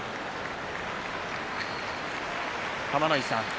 玉ノ井さん